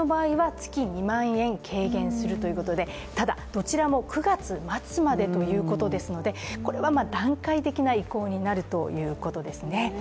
どちらも９月末までということですのでこれは段階的な移行になるということですね。